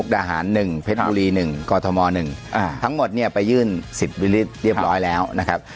ดาหาร๑เพชรบุรี๑กรทม๑ทั้งหมดเนี่ยไปยื่น๑๐วิลิตเรียบร้อยแล้วนะครับ